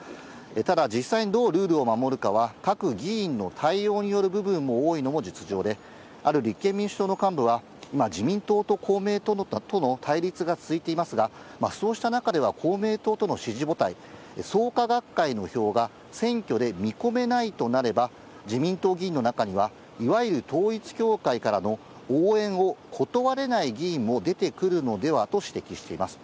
ただ、実際にどうルールを守るかは、各議員の対応による部分も多いのも実情で、ある立憲民主党の幹部は、今自民党と公明党との対立が続いていますが、そうした中では公明党との支持母体、創価学会の票が選挙で見込めないとなれば、自民党議員の中にはいわゆる統一教会からの応援を断れない議員も出てくるのではと指摘しています。